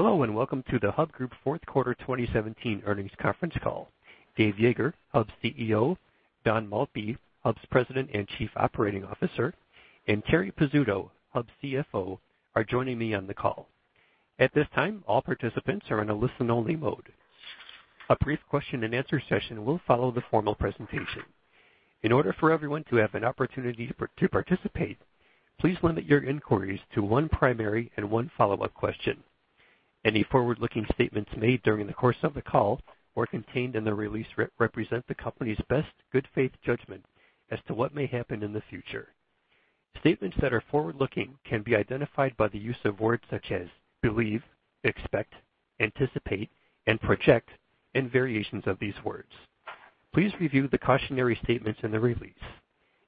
Hello, and welcome to the Hub Group fourth quarter 2017 earnings conference call. Dave Yeager, Hub's CEO, Don Maltby, Hub's President and Chief Operating Officer, and Terri Pizzuto, Hub's CFO, are joining me on the call. At this time, all participants are in a listen-only mode. A brief question-and-answer session will follow the formal presentation. In order for everyone to have an opportunity to participate, please limit your inquiries to one primary and one follow-up question. Any forward-looking statements made during the course of the call or contained in the release represent the company's best good faith judgment as to what may happen in the future. Statements that are forward-looking can be identified by the use of words such as believe, expect, anticipate, and project, and variations of these words. Please review the cautionary statements in the release.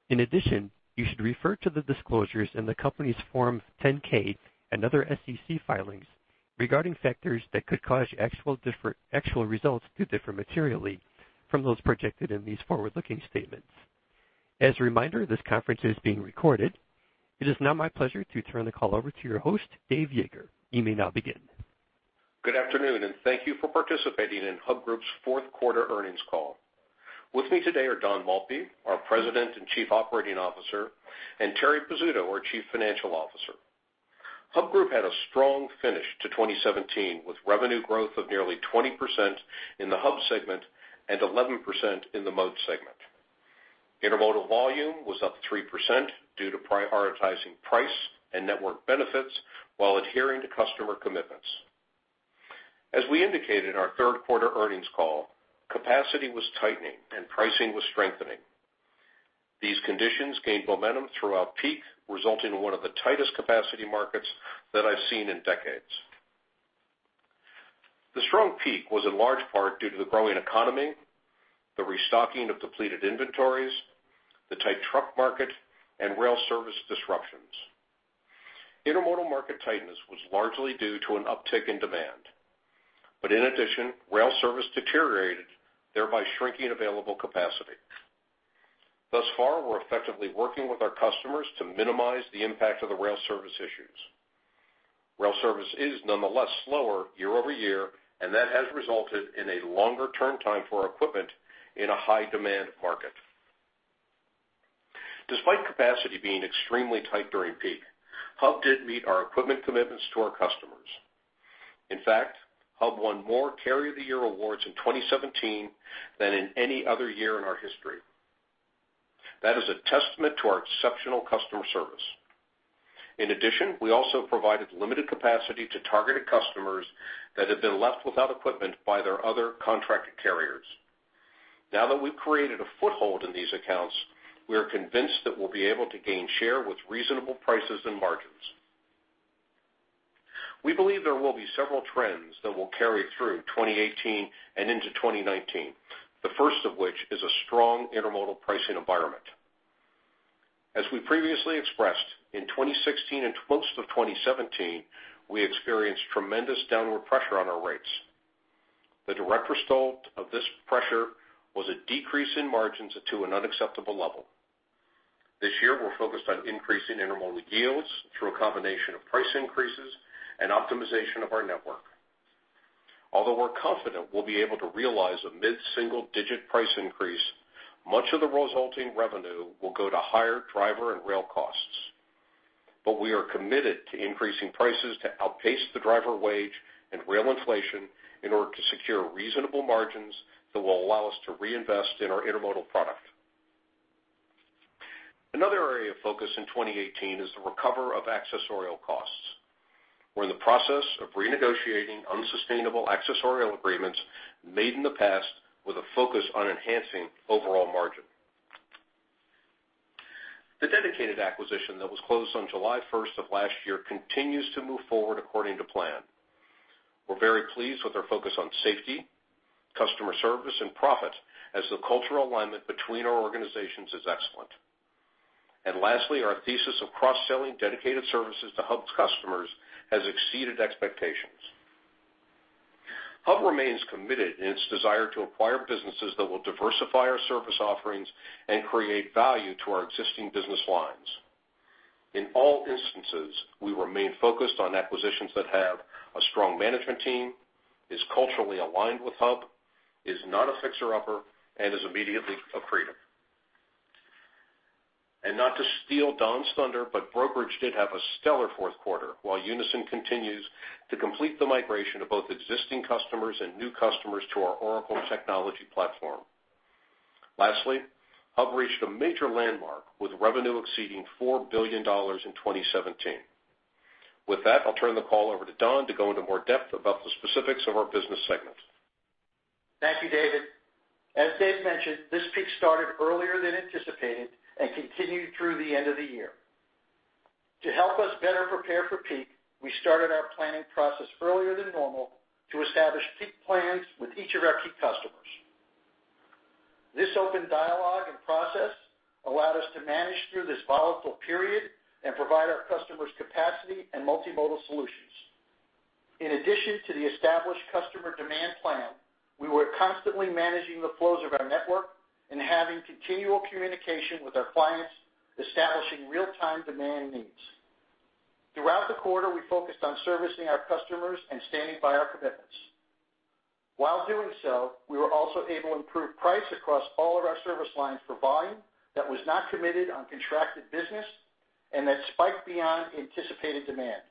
In addition, you should refer to the disclosures in the company's Form 10-K and other SEC filings regarding factors that could cause actual results to differ materially from those projected in these forward-looking statements. As a reminder, this conference is being recorded. It is now my pleasure to turn the call over to your host, Dave Yeager. You may now begin. Good afternoon, and thank you for participating in Hub Group's fourth quarter earnings call. With me today are Don Maltby, our President and Chief Operating Officer, and Terri Pizzuto, our Chief Financial Officer. Hub Group had a strong finish to 2017, with revenue growth of nearly 20% in the Hub segment and 11% in the Mode segment. Intermodal volume was up 3% due to prioritizing price and network benefits while adhering to customer commitments. As we indicated in our third quarter earnings call, capacity was tightening and pricing was strengthening. These conditions gained momentum throughout peak, resulting in one of the tightest capacity markets that I've seen in decades. The strong peak was in large part due to the growing economy, the restocking of depleted inventories, the tight truck market, and rail service disruptions. Intermodal market tightness was largely due to an uptick in demand. In addition, rail service deteriorated, thereby shrinking available capacity. Thus far, we're effectively working with our customers to minimize the impact of the rail service issues. Rail service is nonetheless slower year-over-year, and that has resulted in a longer turn time for equipment in a high-demand market. Despite capacity being extremely tight during peak, Hub did meet our equipment commitments to our customers. In fact, Hub won more Carrier of the Year awards in 2017 than in any other year in our history. That is a testament to our exceptional customer service. In addition, we also provided limited capacity to targeted customers that had been left without equipment by their other contracted carriers. Now that we've created a foothold in these accounts, we are convinced that we'll be able to gain share with reasonable prices and margins. We believe there will be several trends that will carry through 2018 and into 2019, the first of which is a strong intermodal pricing environment. As we previously expressed, in 2016 and most of 2017, we experienced tremendous downward pressure on our rates. The direct result of this pressure was a decrease in margins to an unacceptable level. This year, we're focused on increasing intermodal yields through a combination of price increases and optimization of our network. Although we're confident we'll be able to realize a mid-single-digit price increase, much of the resulting revenue will go to higher driver and rail costs. But we are committed to increasing prices to outpace the driver wage and rail inflation in order to secure reasonable margins that will allow us to reinvest in our intermodal product. Another area of focus in 2018 is the recovery of accessorial costs. We're in the process of renegotiating unsustainable accessorial agreements made in the past with a focus on enhancing overall margin. The dedicated acquisition that was closed on July first of last year continues to move forward according to plan. We're very pleased with our focus on safety, customer service, and profit, as the cultural alignment between our organizations is excellent. And lastly, our thesis of cross-selling dedicated services to Hub's customers has exceeded expectations. Hub remains committed in its desire to acquire businesses that will diversify our service offerings and create value to our existing business lines. In all instances, we remain focused on acquisitions that have a strong management team, is culturally aligned with Hub, is not a fixer-upper, and is immediately accretive. And not to steal Don's thunder, but brokerage did have a stellar fourth quarter, while Unisyn continues to complete the migration of both existing customers and new customers to our Oracle technology platform. Lastly, Hub reached a major landmark with revenue exceeding $4 billion in 2017. With that, I'll turn the call over to Don to go into more depth about the specifics of our business segments. Thank you, David. As Dave mentioned, this peak started earlier than anticipated and continued through the end of the year. To help us better prepare for peak, we started our planning process earlier than normal to establish peak plans with each of our key customers. This open dialogue and process allowed us to manage through this volatile period and provide our customers capacity and multimodal solutions. In addition to the established customer demand, we were constantly managing the flows of our network and having continual communication with our clients, establishing real-time demand needs. Throughout the quarter, we focused on servicing our customers and standing by our commitments. While doing so, we were also able to improve price across all of our service lines for volume that was not committed on contracted business and that spiked beyond anticipated demand.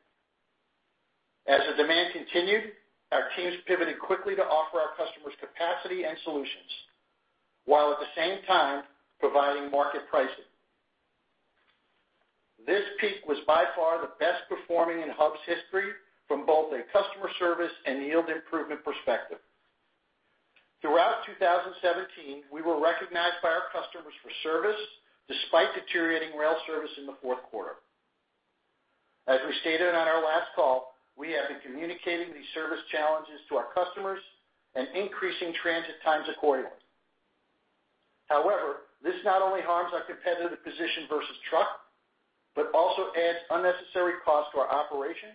As the demand continued, our teams pivoted quickly to offer our customers capacity and solutions, while at the same time, providing market pricing. This peak was by far the best performing in Hub's history from both a customer service and yield improvement perspective. Throughout 2017, we were recognized by our customers for service, despite deteriorating rail service in the fourth quarter. As we stated on our last call, we have been communicating these service challenges to our customers and increasing transit times accordingly. However, this not only harms our competitive position versus truck, but also adds unnecessary costs to our operation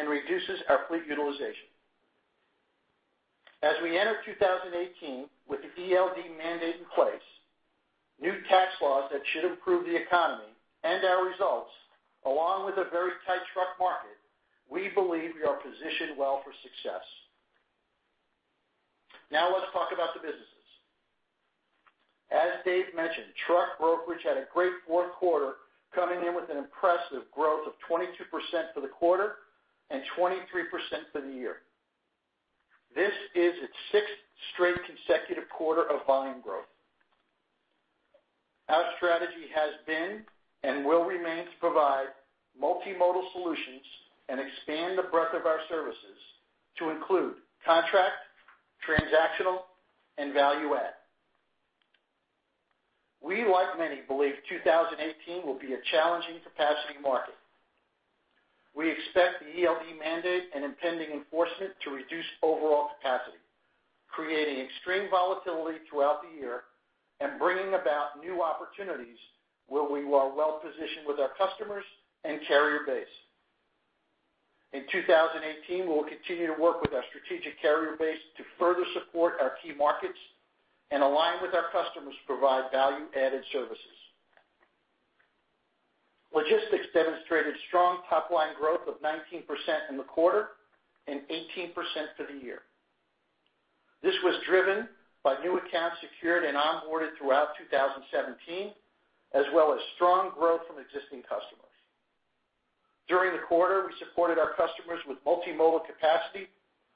and reduces our fleet utilization. As we enter 2018, with the ELD mandate in place, new tax laws that should improve the economy and our results, along with a very tight truck market, we believe we are positioned well for success. Now, let's talk about the businesses. As Dave mentioned, truck brokerage had a great fourth quarter, coming in with an impressive growth of 22% for the quarter and 23% for the year. This is its sixth straight consecutive quarter of volume growth. Our strategy has been and will remain to provide multimodal solutions and expand the breadth of our services to include contract, transactional, and value-add. We, like many, believe 2018 will be a challenging capacity market. We expect the ELD mandate and impending enforcement to reduce overall capacity, creating extreme volatility throughout the year and bringing about new opportunities where we are well-positioned with our customers and carrier base. In 2018, we'll continue to work with our strategic carrier base to further support our key markets and align with our customers to provide value-added services. Logistics demonstrated strong top-line growth of 19% in the quarter and 18% for the year. This was driven by new accounts secured and onboarded throughout 2017, as well as strong growth from existing customers. During the quarter, we supported our customers with multimodal capacity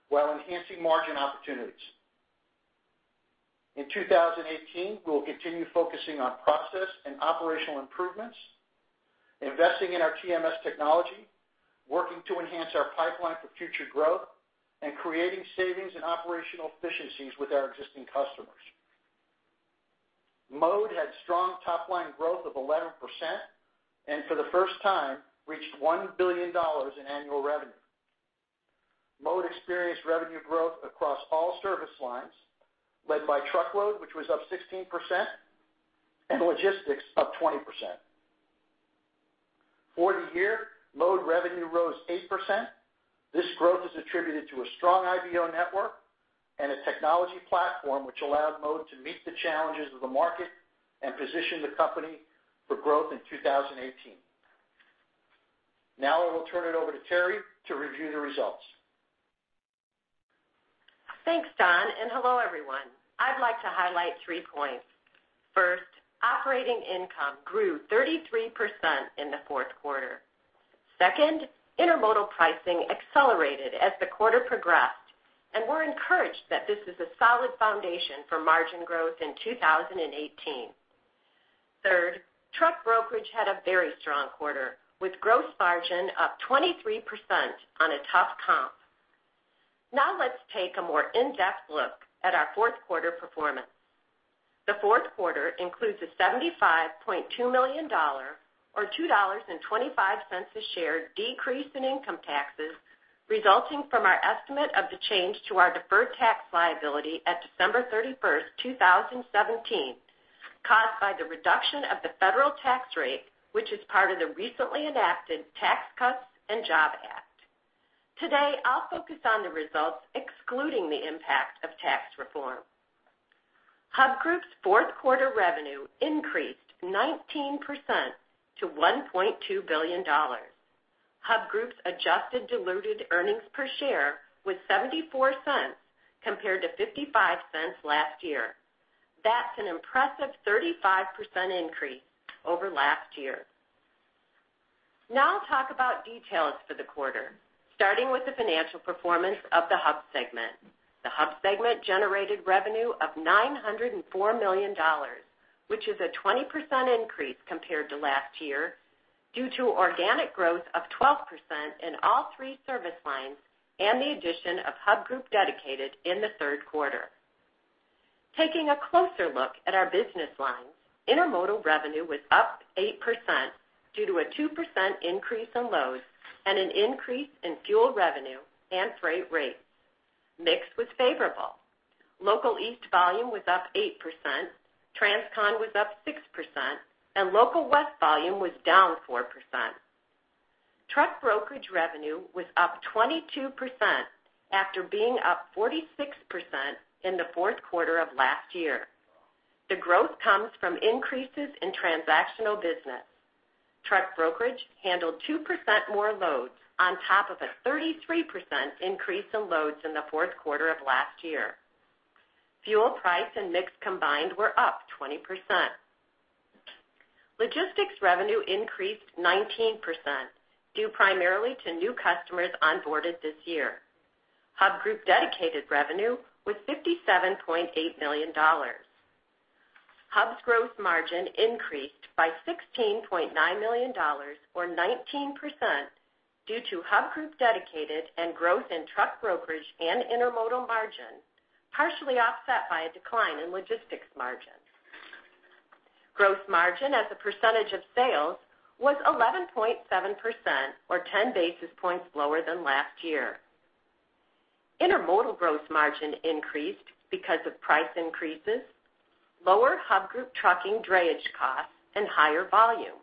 while enhancing margin opportunities. In 2018, we will continue focusing on process and operational improvements, investing in our TMS technology, working to enhance our pipeline for future growth, and creating savings and operational efficiencies with our existing customers. Mode had strong top-line growth of 11%, and for the first time, reached $1 billion in annual revenue. Mode experienced revenue growth across all service lines, led by truckload, which was up 16%, and logistics, up 20%. For the year, Mode revenue rose 8%. This growth is attributed to a strong IBO network and a technology platform, which allowed Mode to meet the challenges of the market and position the company for growth in 2018. Now I will turn it over to Terri to review the results. Thanks, Don, and hello, everyone. I'd like to highlight three points. First, operating income grew 33% in the fourth quarter. Second, intermodal pricing accelerated as the quarter progressed, and we're encouraged that this is a solid foundation for margin growth in 2018. Third, truck brokerage had a very strong quarter, with gross margin up 23% on a tough comp. Now, let's take a more in-depth look at our fourth quarter performance. The fourth quarter includes a $75.2 million, or $2.25 a share, decrease in income taxes, resulting from our estimate of the change to our deferred tax liability at December 31st, 2017, caused by the reduction of the federal tax rate, which is part of the recently enacted Tax Cuts and Jobs Act. Today, I'll focus on the results, excluding the impact of tax reform. Hub Group's fourth quarter revenue increased 19% to $1.2 billion. Hub Group's adjusted diluted earnings per share was $0.74 compared to $0.55 last year. That's an impressive 35% increase over last year. Now I'll talk about details for the quarter, starting with the financial performance of the Hub segment. The Hub segment generated revenue of $904 million, which is a 20% increase compared to last year, due to organic growth of 12% in all three service lines and the addition of Hub Group Dedicated in the third quarter. Taking a closer look at our business lines, intermodal revenue was up 8% due to a 2% increase in loads and an increase in fuel revenue and freight rates. Mix was favorable. Local East volume was up 8%, Transcon was up 6%, and Local West volume was down 4%. Truck brokerage revenue was up 22%, after being up 46% in the fourth quarter of last year. The growth comes from increases in transactional business. Truck brokerage handled 2% more loads on top of a 33% increase in loads in the fourth quarter of last year. Fuel price and mix combined were up 20%. Logistics revenue increased 19%, due primarily to new customers onboarded this year. Hub Group Dedicated revenue was $57.8 million. Hub's gross margin increased by $16.9 million, or 19%, due to Hub Group Dedicated and growth in truck brokerage and intermodal margin, partially offset by a decline in logistics margin. Gross margin as a percentage of sales was 11.7%, or 10 basis points lower than last year. Intermodal gross margin increased because of price increases, lower Hub Group Trucking drayage costs, and higher volume.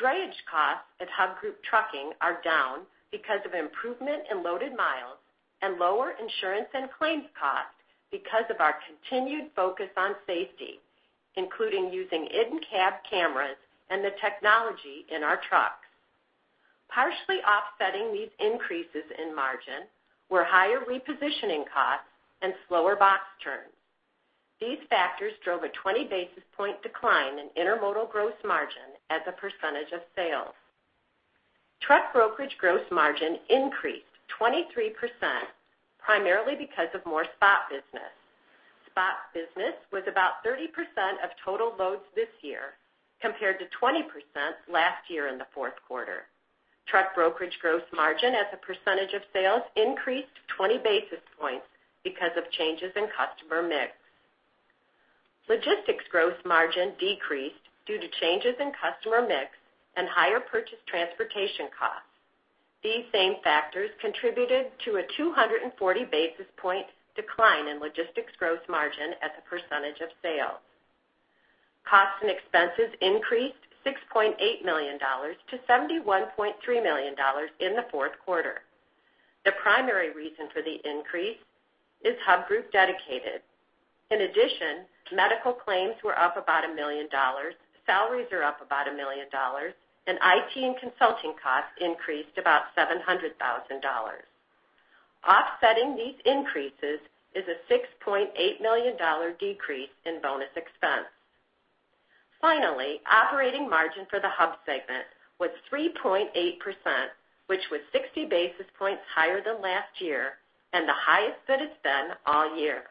Drayage costs at Hub Group Trucking are down because of improvement in loaded miles and lower insurance and claims costs because of our continued focus on safety, including using in-cab cameras and the technology in our trucks. Partially offsetting these increases in margin were higher repositioning costs and slower box turns. These factors drove a 20 basis point decline in intermodal gross margin as a percentage of sales. Truck brokerage gross margin increased 23%, primarily because of more spot business. Spot business was about 30% of total loads this year, compared to 20% last year in the fourth quarter. Truck brokerage gross margin as a percentage of sales increased 20 basis points because of changes in customer mix. Logistics gross margin decreased due to changes in customer mix and higher purchase transportation costs. These same factors contributed to a 240 basis point decline in logistics gross margin as a percentage of sales. Costs and expenses increased $6.8 million-$71.3 million in the fourth quarter. The primary reason for the increase is Hub Group Dedicated. In addition, medical claims were up about $1 million, salaries are up about $1 million, and IT and consulting costs increased about $700,000. Offsetting these increases is a $6.8 million decrease in bonus expense. Finally, operating margin for the Hub segment was 3.8%, which was 60 basis points higher than last year and the highest that it's been all year.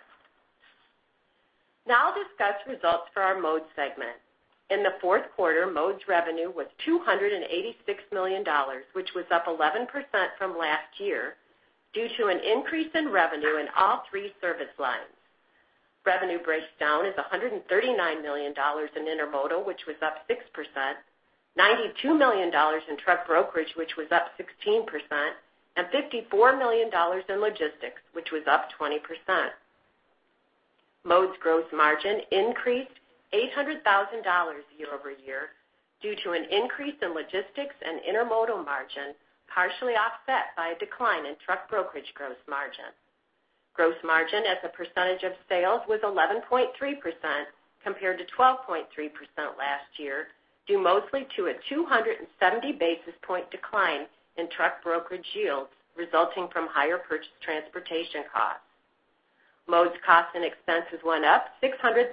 Now I'll discuss results for our Mode segment. In the fourth quarter, Mode's revenue was $286 million, which was up 11% from last year due to an increase in revenue in all three service lines. Revenue breaks down as $139 million in intermodal, which was up 6%, $92 million in truck brokerage, which was up 16%, and $54 million in logistics, which was up 20%. Mode's gross margin increased $800,000 year-over-year due to an increase in logistics and intermodal margin, partially offset by a decline in truck brokerage gross margin. Gross margin as a percentage of sales was 11.3%, compared to 12.3% last year, due mostly to a 270 basis point decline in truck brokerage yields resulting from higher purchase transportation costs. Mode's costs and expenses went up $600,000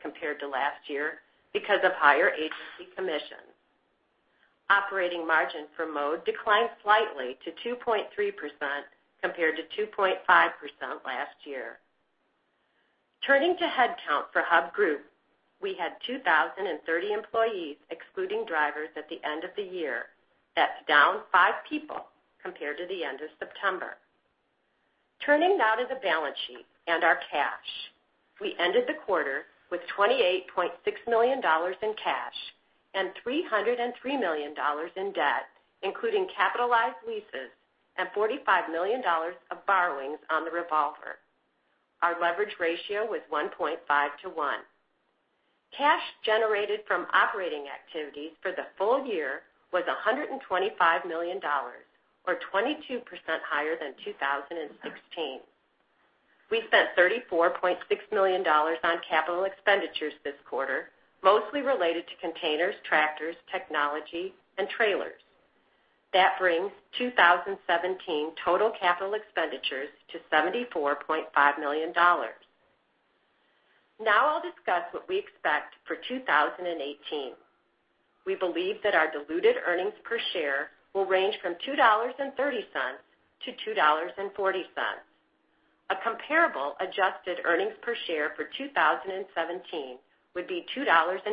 compared to last year because of higher agency commissions. Operating margin for Mode declined slightly to 2.3%, compared to 2.5% last year. Turning to headcount for Hub Group, we had 2,030 employees, excluding drivers, at the end of the year. That's down five people compared to the end of September. Turning now to the balance sheet and our cash. We ended the quarter with $28.6 million in cash and $303 million in debt, including capitalized leases and $45 million of borrowings on the revolver. Our leverage ratio was 1.5 to 1. Cash generated from operating activities for the full year was $125 million, or 22% higher than 2016. We spent $34.6 million on capital expenditures this quarter, mostly related to containers, tractors, technology, and trailers. That brings 2017 total capital expenditures to $74.5 million. Now I'll discuss what we expect for 2018. We believe that our diluted earnings per share will range from $2.30 to $2.40. A comparable adjusted earnings per share for 2017 would be $2.18,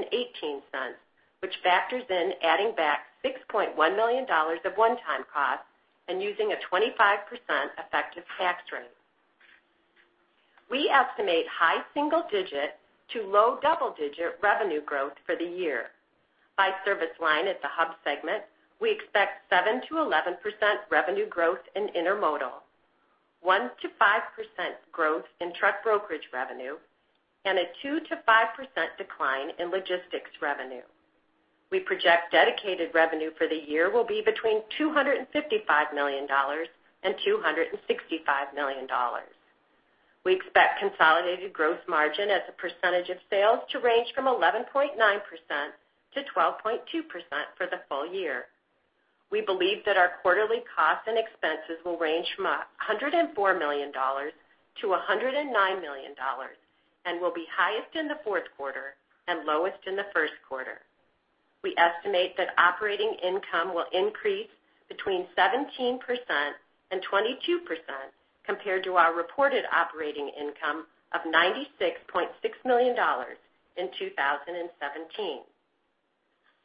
which factors in adding back $6.1 million of one-time costs and using a 25% effective tax rate. We estimate high single-digit to low double-digit revenue growth for the year. By service line at the Hub segment, we expect 7%-11% revenue growth in intermodal, 1%-5% growth in truck brokerage revenue, and a 2%-5% decline in logistics revenue. We project dedicated revenue for the year will be between $255 million and $265 million. We expect consolidated gross margin as a percentage of sales to range from 11.9% to 12.2% for the full year. We believe that our quarterly costs and expenses will range from $104 million-$109 million, and will be highest in the fourth quarter and lowest in the first quarter. We estimate that operating income will increase between 17% and 22% compared to our reported operating income of $96.6 million in 2017.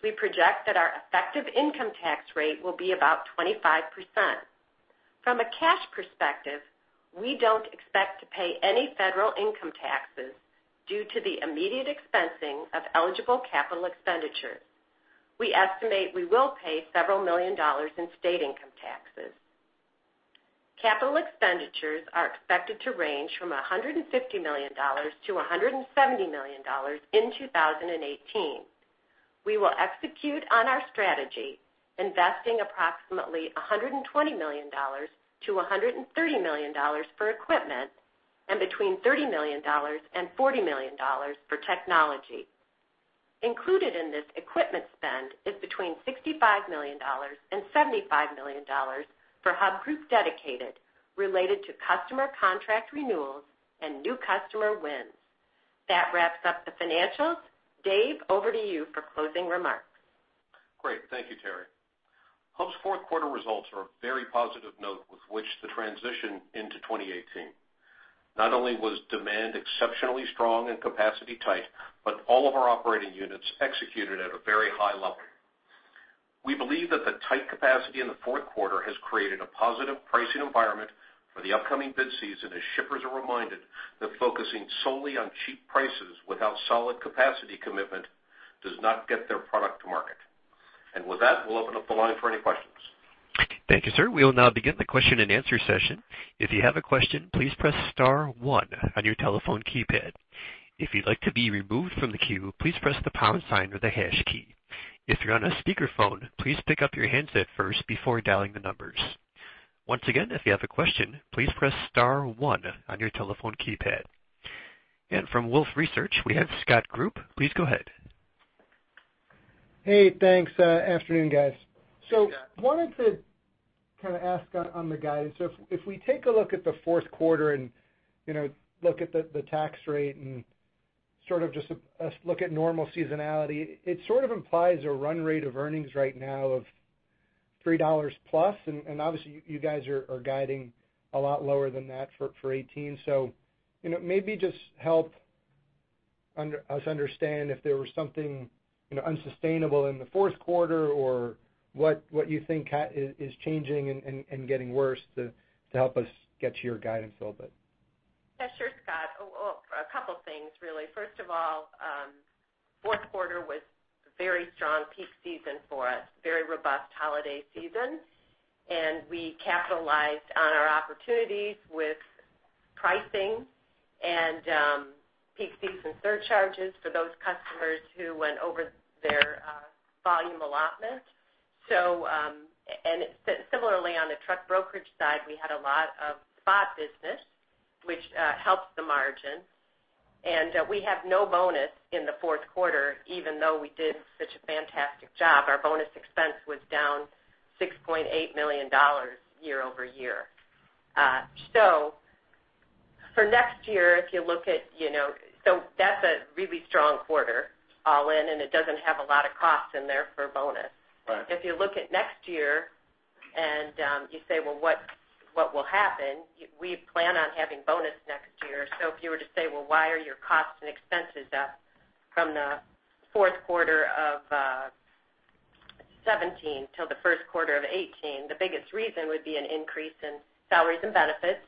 We project that our effective income tax rate will be about 25%. From a cash perspective, we don't expect to pay any federal income taxes due to the immediate expensing of eligible capital expenditures. We estimate we will pay several million dollars in state income taxes. Capital expenditures are expected to range from $150 million-$170 million in 2018. We will execute on our strategy, investing approximately $120 million-$130 million for equipment and between $30 million and $40 million for technology. Included in this equipment spend is between $65 million and $75 million for Hub Group Dedicated, related to customer contract renewals and new customer wins. That wraps up the financials. Dave, over to you for closing remarks. Great. Thank you, Terri. Hub's fourth quarter results are a very positive note with which to transition into 2018. Not only was demand exceptionally strong and capacity tight, but all of our operating units executed at a very high level. We believe that the tight capacity in the fourth quarter has created a positive pricing environment for the upcoming bid season, as shippers are reminded that focusing solely on cheap prices without solid capacity commitment does not get their product to market. And with that, we'll open up the line for any questions. Thank you, sir. We will now begin the question-and-answer session. If you have a question, please press star one on your telephone keypad. If you'd like to be removed from the queue, please press the pound sign or the hash key. If you're on a speakerphone, please pick up your handset first before dialing the numbers. Once again, if you have a question, please press star one on your telephone keypad. And from Wolfe Research, we have Scott Group. Please go ahead. Hey, thanks. Afternoon, guys. So wanted to kind of ask on the guidance. So if we take a look at the fourth quarter and, you know, look at the tax rate and sort of just a look at normal seasonality, it sort of implies a run rate of earnings right now of $3+, and obviously, you guys are guiding a lot lower than that for 2018. So, you know, maybe just help us understand if there was something, you know, unsustainable in the fourth quarter or what you think is changing and getting worse to help us get to your guidance a little bit. Yeah, sure, Scott. Oh, well, a couple things, really. First of all, fourth quarter was very strong peak season for us, very robust holiday season, and we capitalized on our opportunities with pricing and peak season surcharges for those customers who went over their volume allotment. So, and similarly, on the truck brokerage side, we had a lot of spot business, which helped the margin. And we have no bonus in the fourth quarter, even though we did such a fantastic job. Our bonus expense was down $6.8 million year-over-year. So for next year, if you look at, you know, so that's a really strong quarter all in, and it doesn't have a lot of costs in there for bonus. Right. If you look at next year and you say, "Well, what, what will happen?" We plan on having bonus next year. So if you were to say, "Well, why are your costs and expenses up from the fourth quarter of seventeen till the first quarter of eighteen?" The biggest reason would be an increase in salaries and benefits.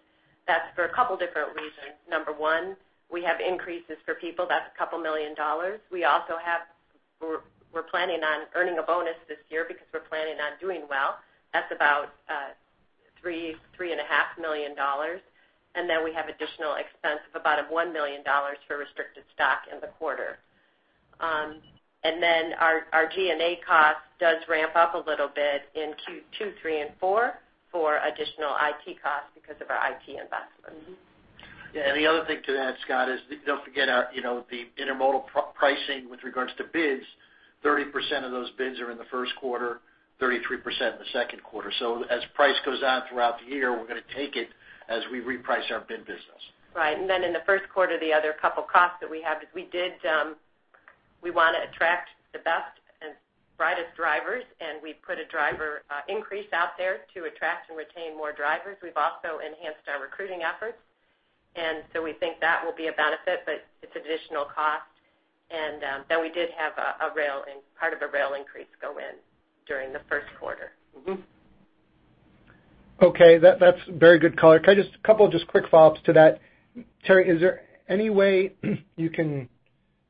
That's for a couple different reasons. Number one, we have increases for people, that's a couple million dollars. We also have- we're planning on earning a bonus this year because we're planning on doing well. That's about $3.5 million. And then we have additional expense of about a one million dollars for restricted stock in the quarter. And then our G&A cost does ramp up a little bit in Q2, Q3, and Q4 for additional IT costs because of our IT investments. Yeah, and the other thing to add, Scott, is don't forget our, you know, the intermodal pricing with regards to bids, 30% of those bids are in the first quarter, 33% in the second quarter. So as price goes on throughout the year, we're gonna take it as we reprice our bid business. Right. And then in the first quarter, the other couple costs that we have is we did, we want to attract the best and brightest drivers, and we put a driver increase out there to attract and retain more drivers. We've also enhanced our recruiting efforts, and so we think that will be a benefit, but it's additional cost. And then we did have a part of a rail increase go in during the first quarter. Mm-hmm. Okay, that's very good color. Can I just a couple, just quick follow-ups to that. Terri, is there any way you can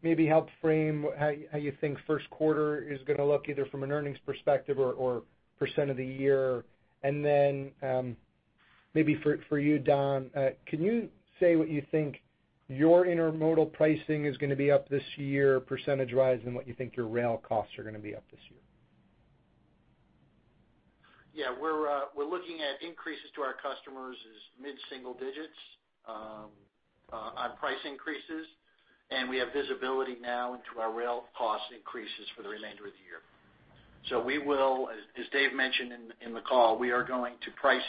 maybe help frame how you think first quarter is going to look, either from an earnings perspective or percent of the year. And then, maybe for you, Don, can you say what you think your intermodal pricing is going to be up this year, percentage-wise, and what you think your rail costs are going to be up this year? Yeah, we're looking at increases to our customers is mid-single digits on price increases, and we have visibility now into our rail cost increases for the remainder of the year. So we will, as Dave mentioned in the call, we are going to price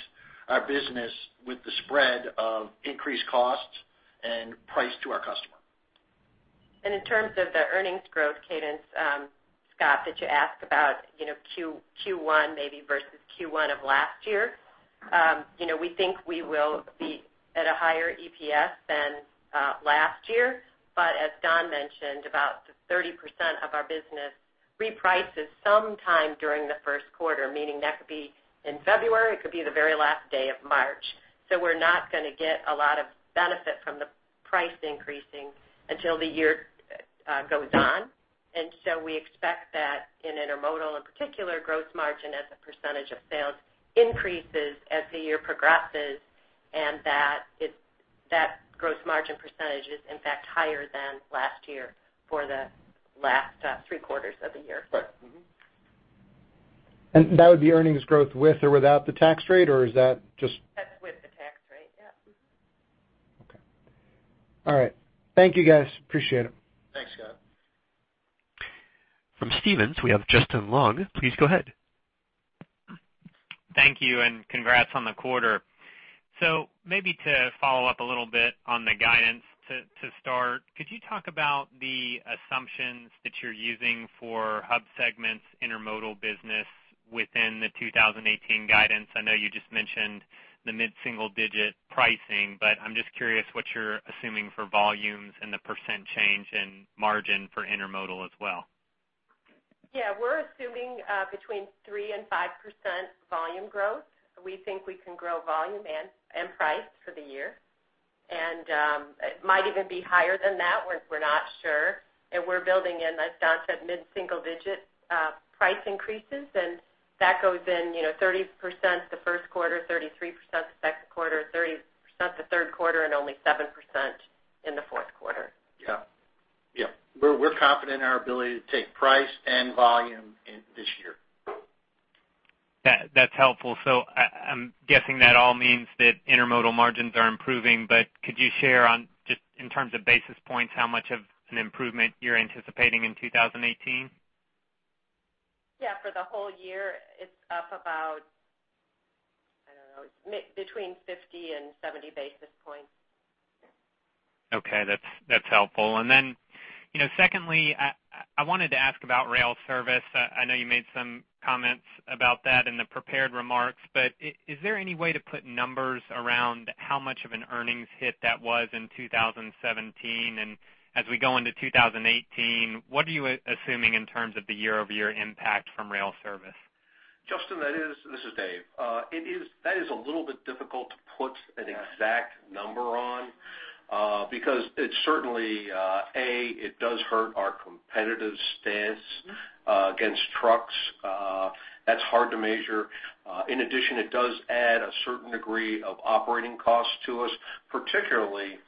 our business with the spread of increased costs and price to our customer. In terms of the earnings growth cadence, Scott, that you asked about, you know, Q1 maybe versus Q1 of last year, you know, we think we will be at a higher EPS than last year. But as Don mentioned, about 30% of our business reprices sometime during the first quarter, meaning that could be in February, it could be the very last day of March. So we're not going to get a lot of benefit from the price increasing until the year goes on. And so we expect that in intermodal, in particular, gross margin as a percentage of sales increases as the year progresses, and that gross margin percentage is, in fact, higher than last year for the last three quarters of the year. Right. Mm-hmm. That would be earnings growth with or without the tax rate, or is that just? That's with the tax rate, yeah. Mm-hmm. Okay. All right. Thank you, guys. Appreciate it. Thanks, Scott. From Stephens, we have Justin Long. Please go ahead. Thank you, and congrats on the quarter. So maybe to follow up a little bit on the guidance to start, could you talk about the assumptions that you're using for Hub segments, intermodal business within the 2018 guidance? I know you just mentioned the mid-single-digit pricing, but I'm just curious what you're assuming for volumes and the % change in margin for intermodal as well. Yeah, we're assuming between 3%-5% volume growth. We think we can grow volume and price for the year. And it might even be higher than that, we're not sure. And we're building in, as Don said, mid-single digit price increases, and that goes in, you know, 30% the first quarter, 33% the second quarter, 30% the third quarter, and only 7% in the fourth quarter. Yeah. Yeah. We're confident in our ability to take price and volume this year. That, that's helpful. So I, I'm guessing that all means that intermodal margins are improving, but could you share on, just in terms of basis points, how much of an improvement you're anticipating in 2018? Yeah, for the whole year, it's up about, I don't know, mid- between 50 and 70 basis points. Okay, that's, that's helpful. And then, you know, secondly, I wanted to ask about rail service. I know you made some comments about that in the prepared remarks, but is there any way to put numbers around how much of an earnings hit that was in 2017? And as we go into 2018, what are you assuming in terms of the year-over-year impact from rail service? Justin, that is... This is Dave. It is- that is a little bit difficult to put an exact number on, because it certainly, A, it does hurt our competitive stance against trucks. That's hard to measure. In addition, it does add a certain degree of operating costs to us, particularly,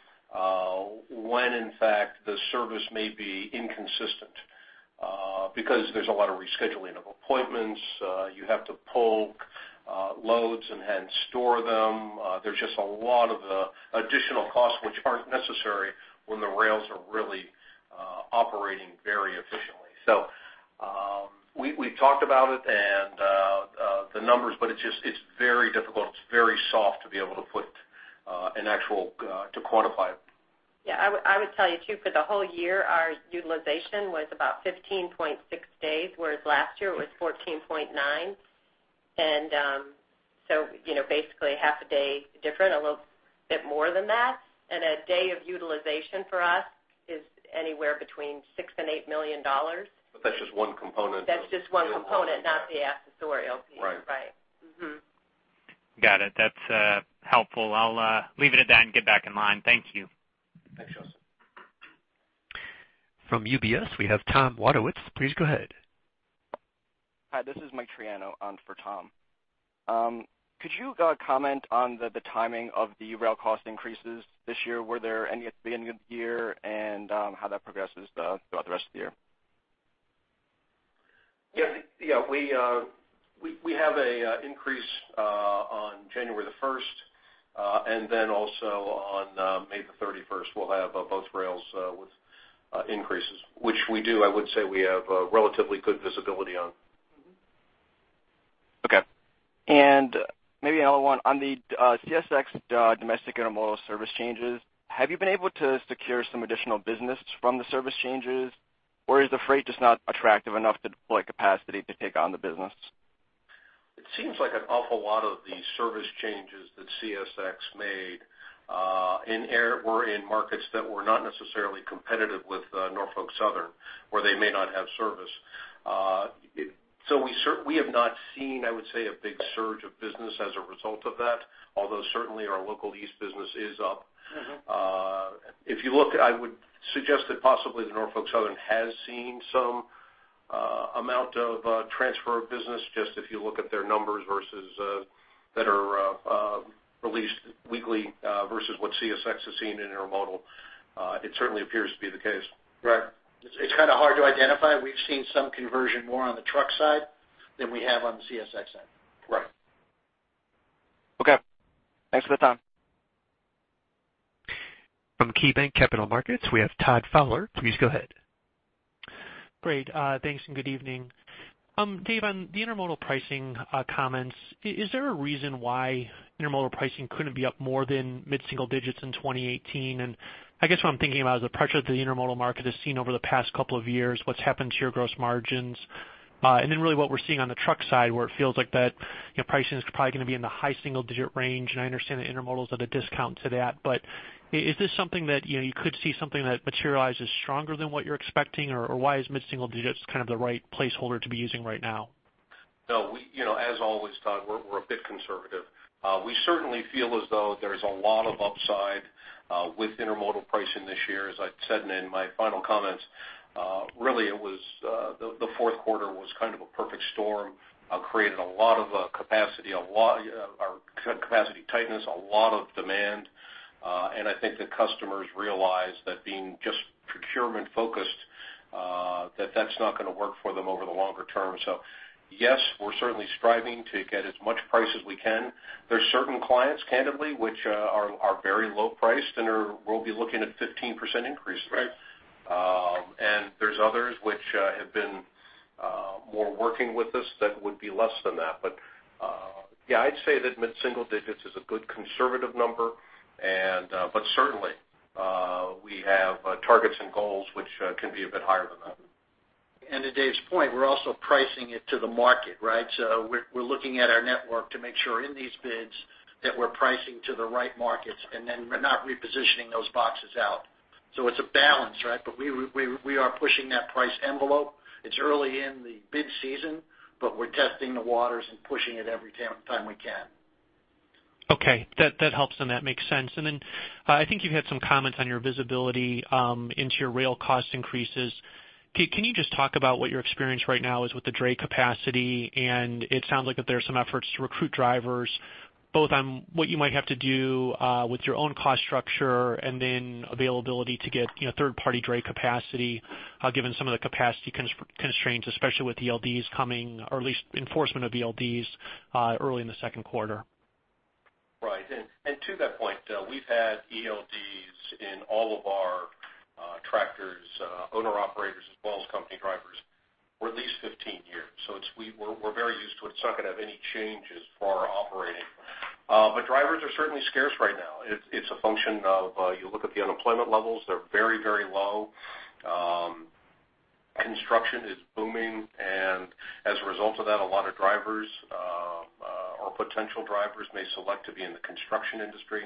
when in fact, the service may be inconsistent, because there's a lot of rescheduling of appointments, you have to pull loads and then store them. There's just a lot of additional costs which aren't necessary when the rails are really operating very efficiently. So, we, we talked about it and the numbers, but it's just, it's very difficult, it's very soft to be able to put an actual to quantify it. Yeah, I would, I would tell you, too, for the whole year, our utilization was about 15.6 days, whereas last year it was 14.9. And, so, you know, basically half a day different, a little bit more than that. And a day of utilization for us is anywhere between $6 million and $8 million. But that's just one component. That's just one component, not the accessorial piece. Right. Right. Mm-hmm. Got it. That's helpful. I'll leave it at that and get back in line. Thank you. Thanks, Justin. From UBS, we have Tom Wadewitz. Please go ahead. Hi, this is Mike Triano on for Tom. Could you comment on the timing of the rail cost increases this year? Were there any at the beginning of the year, and how that progresses throughout the rest of the year? Yeah. Yeah, we have an increase on January the first, and then also on May the thirty-first, we'll have both rails with increases, which we do. I would say we have relatively good visibility on. Mm-hmm. Okay. Maybe another one. On the CSX domestic intermodal service changes, have you been able to secure some additional business from the service changes, or is the freight just not attractive enough to deploy capacity to take on the business? It seems like an awful lot of the service changes that CSX made earlier were in markets that were not necessarily competitive with Norfolk Southern, where they may not have service. So we have not seen, I would say, a big surge of business as a result of that, although certainly our local lease business is up. Mm-hmm. If you look, I would suggest that possibly the Norfolk Southern has seen some amount of transfer of business, just if you look at their numbers versus that are released weekly versus what CSX has seen in intermodal. It certainly appears to be the case. Right. It's kind of hard to identify. We've seen some conversion more on the truck side than we have on the CSX side. Right. Okay. Thanks for the time. From KeyBanc Capital Markets, we have Todd Fowler. Please go ahead. Great. Thanks, and good evening. Dave, on the intermodal pricing, comments, is there a reason why intermodal pricing couldn't be up more than mid-single digits in 2018? And I guess what I'm thinking about is the pressure that the intermodal market has seen over the past couple of years, what's happened to your gross margins, and then really what we're seeing on the truck side, where it feels like that, you know, pricing is probably gonna be in the high single digit range, and I understand that intermodal is at a discount to that. But is this something that, you know, you could see something that materializes stronger than what you're expecting, or, or why is mid-single digits kind of the right placeholder to be using right now? No, we, you know, as always, Todd, we're a bit conservative. We certainly feel as though there's a lot of upside with intermodal pricing this year. As I'd said in my final comments, really it was the fourth quarter was kind of a perfect storm created a lot of capacity tightness, a lot of demand, and I think the customers realized that being just procurement focused that that's not gonna work for them over the longer term. So yes, we're certainly striving to get as much price as we can. There are certain clients, candidly, which are very low priced and we'll be looking at 15% increases. Right. And there's others which have been more working with us that would be less than that. But yeah, I'd say that mid-single digits is a good conservative number, and but certainly we have targets and goals which can be a bit higher than that. To Dave's point, we're also pricing it to the market, right? So we're looking at our network to make sure in these bids that we're pricing to the right markets and then we're not repositioning those boxes out. So it's a balance, right? But we are pushing that price envelope. It's early in the bid season, but we're testing the waters and pushing it every time we can. Okay, that, that helps, and that makes sense. And then, I think you had some comments on your visibility into your rail cost increases. Can you just talk about what your experience right now is with the dray capacity? And it sounds like that there are some efforts to recruit drivers, both on what you might have to do with your own cost structure and then availability to get, you know, third party dray capacity, given some of the capacity constraints, especially with ELDs coming, or at least enforcement of ELDs, early in the second quarter. Right. And to that point, we've had ELDs in all of our tractors, owner-operators, as well as company drivers, for at least 15 years. So it's we're, we're very used to it. It's not gonna have any changes for our operating. But drivers are certainly scarce right now. It's a function of, you look at the unemployment levels, they're very, very low. Construction is booming, and as a result of that, a lot of drivers or potential drivers may select to be in the construction industry.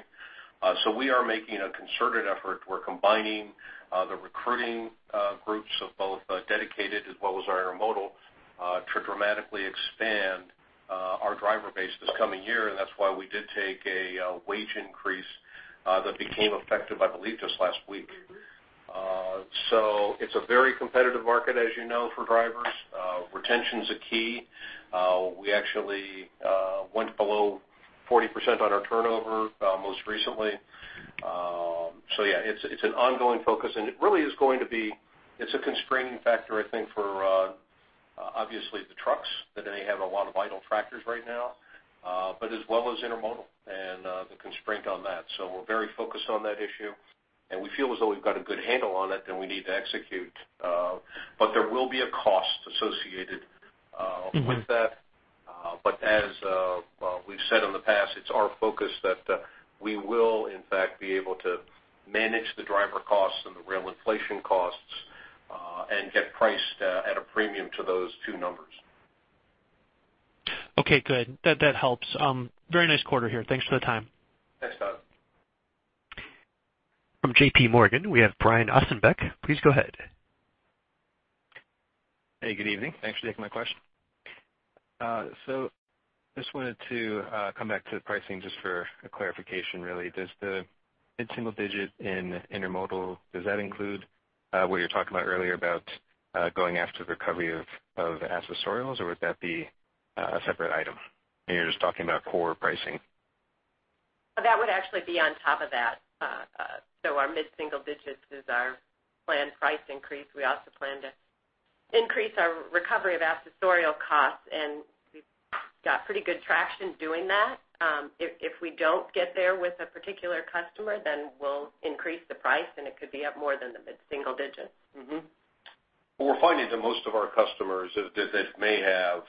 So we are making a concerted effort. We're combining the recruiting groups of both dedicated as well as our intermodal to dramatically expand our driver base this coming year, and that's why we did take a wage increase that became effective, I believe, just last week. So it's a very competitive market, as you know, for drivers. Retention's a key. We actually went below 40% on our turnover most recently. So yeah, it's, it's an ongoing focus, and it really is going to be... It's a constraining factor, I think, for obviously the trucks, that they have a lot of idle tractors right now, but as well as intermodal and the constraint on that. So we're very focused on that issue, and we feel as though we've got a good handle on it, and we need to execute, but there will be a cost associated, Mm-hmm... with that. But as well, we've said in the past, it's our focus that we will in fact be able to manage the driver costs and the rail inflation costs, and get priced at a premium to those two numbers. Okay, good. That helps. Very nice quarter here. Thanks for the time. Thanks, Todd. From J.P. Morgan, we have Brian Ossenbeck. Please go ahead. Hey, good evening. Thanks for taking my question. So just wanted to come back to the pricing just for a clarification, really. Does the mid-single digit in intermodal, does that include what you're talking about earlier about going after the recovery of accessorials, or would that be a separate item, and you're just talking about core pricing? That would actually be on top of that. So our mid-single digits is our planned price increase. We also plan to increase our recovery of accessorial costs, and we've got pretty good traction doing that. If we don't get there with a particular customer, then we'll increase the price, and it could be up more than the mid-single digits. Mm-hmm. What we're finding is that most of our customers that, that may have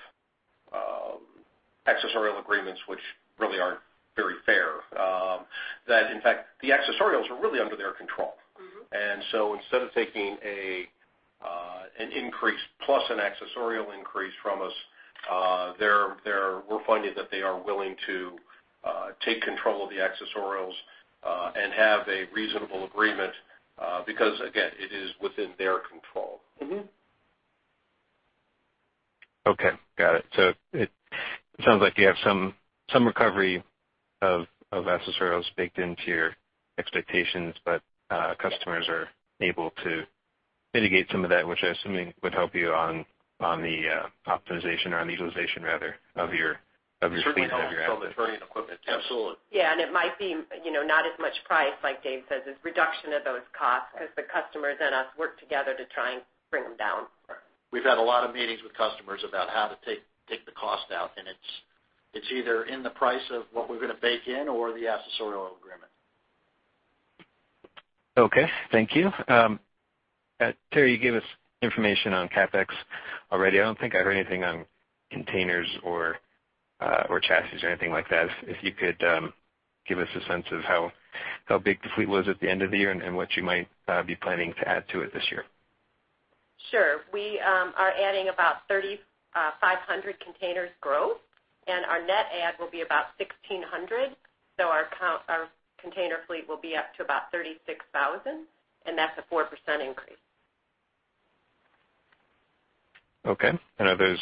accessorial agreements, which really aren't very fair, that in fact, the accessorials are really under their control. Mm-hmm. Instead of taking an increase plus an accessorial increase from us, we're finding that they are willing to take control of the accessorials and have a reasonable agreement because, again, it is within their control. Mm-hmm. Okay. Got it. So it sounds like you have some recovery of accessorials baked into your expectations, but customers are able to mitigate some of that, which I assuming would help you on the optimization or on the utilization rather, of your fleet- Certainly help from the equipment. Absolutely. Yeah. It might be, you know, not as much price, like Dave says, as reduction of those costs because the customers and us work together to try and bring them down. We've had a lot of meetings with customers about how to take the cost out, and it's either in the price of what we're going to bake in or the accessorial agreement. Okay. Thank you. Terri, you gave us information on CapEx already. I don't think I heard anything on containers or or chassis or anything like that. If you could give us a sense of how big the fleet was at the end of the year and what you might be planning to add to it this year? Sure. We are adding about 3,500 containers growth, and our net add will be about 1,600. So our container fleet will be up to about 36,000, and that's a 4% increase. Okay. And are those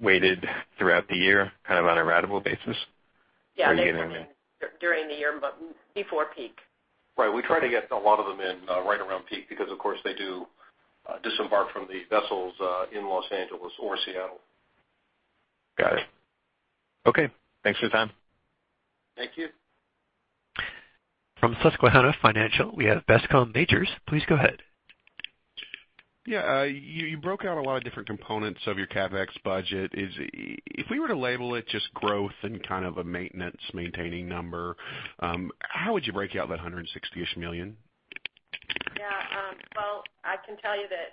weighted throughout the year, kind of on a ratable basis? Yeah, during the year, but before peak. Right. We try to get a lot of them in, right around peak, because, of course, they do, disembark from the vessels, in Los Angeles or Seattle. Got it. Okay. Thanks for your time. Thank you. From Susquehanna Financial, we have Bascome Majors. Please go ahead. Yeah, you broke out a lot of different components of your CapEx budget. If we were to label it just growth and kind of a maintenance, maintaining number, how would you break out that $160 million? Yeah. Well, I can tell you that,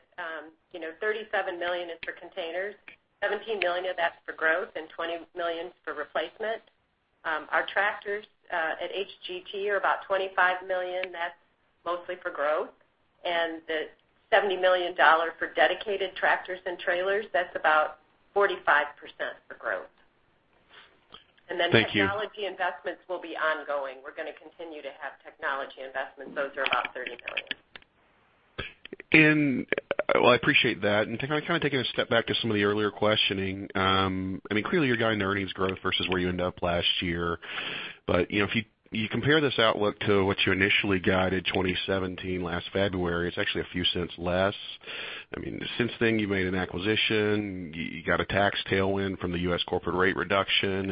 you know, $37 million is for containers, $17 million of that's for growth and $20 million is for replacement. Our tractors at HGT are about $25 million. That's mostly for growth. And the $70 million for dedicated tractors and trailers, that's about 45% for growth. Thank you. And then the technology investments will be ongoing. We're going to continue to have technology investments. Those are about $30 million. Well, I appreciate that. And kind of taking a step back to some of the earlier questioning, I mean, clearly, you're guiding the earnings growth versus where you ended up last year. But, you know, if you compare this outlook to what you initially guided 2017 last February, it's actually a few cents less. I mean, since then, you made an acquisition, you got a tax tailwind from the U.S. corporate rate reduction,